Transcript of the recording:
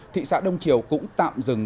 thị xã đông triều cũng tạm dừng